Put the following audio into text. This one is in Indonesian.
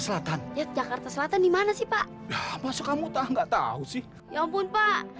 selatan jakarta selatan dimana sih pak pas kamu tak enggak tahu sih ya ampun pak